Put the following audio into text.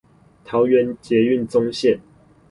桃園捷運棕線